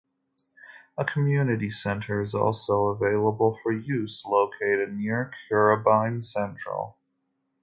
A community centre is also available for use, located near Currambine Central.